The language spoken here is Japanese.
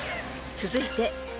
［続いて］